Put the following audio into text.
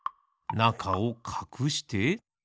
なかをかくして。